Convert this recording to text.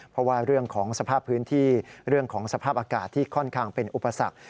เพราะว่าเรื่องของสภาพพื้นที่เรื่องของสภาพอากาศที่ค่อนข้างเป็นอุปสรรค